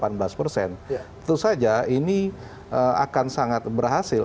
tentu saja ini akan sangat berhasil